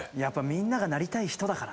みんながなりたい人だから。